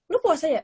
lu puasa ya